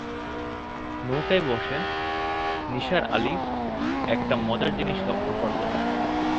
নৌকায় বসে নিসার আলি একটা মজার জিনিস লক্ষ করলেন।